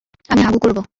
আমি হাগু করব।